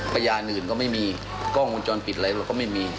พยานอื่นก็ไม่มีกล้องวงจรปิดอะไรเราก็ไม่มี